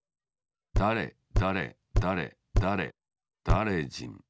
だれだれだれだれだれじん。